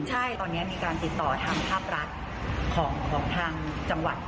ใช่ตอนนี้มีการติดต่อทางภาครัฐของทางจังหวัด